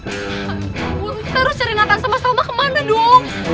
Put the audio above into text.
aduh kita harus cari nathan sama salma kemana dong